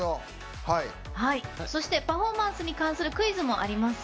パフォーマンスに関するクイズもあります。